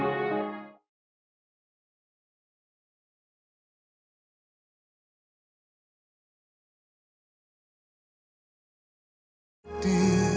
jam tal dared